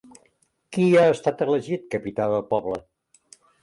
Qui ha estat elegit capità del Poble?